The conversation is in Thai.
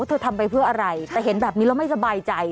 ทำไปเพื่ออะไรแต่เห็นแบบนี้แล้วไม่สบายใจ